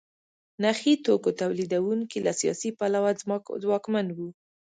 نخي توکو تولیدوونکي له سیاسي پلوه ځواکمن وو.